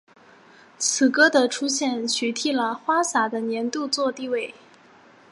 此歌的出现取替了花洒的年度作地位。